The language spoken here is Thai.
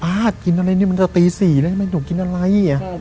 ป้ากินอะไรมันจะตี๔เลยหนูกินอะไร